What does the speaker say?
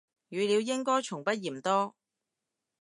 語料應該從不嫌多